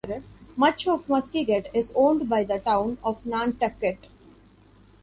Much of Muskeget is owned by the town of Nantucket.